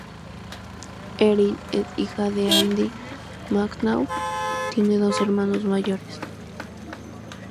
Erin es hija de Andy McNaught, tiene dos hermanos mayores.